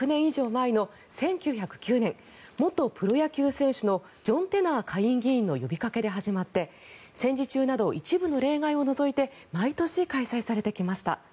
前の１９０９年、元プロ野球選手のジョン・テナー下院議員の呼びかけで始まって戦時中など一部の例外を除いて毎年開催されてきました。